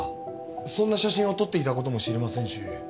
そんな写真を撮っていた事も知りませんし。